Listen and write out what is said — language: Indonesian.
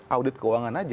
audit keuangan aja